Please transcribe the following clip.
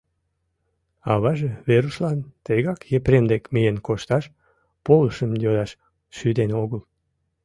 Аваже Верушлан тегак Епрем дек миен кошташ, полышым йодаш шӱден огыл.